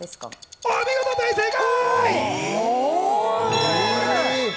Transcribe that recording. お見事です、正解！